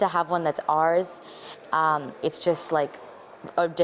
tapi akhirnya untuk memiliki masjid yang berbeda